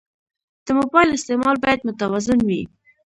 د موبایل استعمال باید متوازن وي.